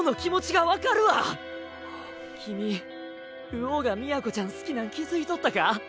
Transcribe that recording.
君流鶯が都ちゃん好きなん気付いとったか？